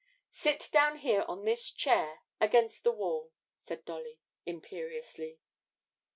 'Sit down here on this chair against the wall,' said Dolly, imperiously.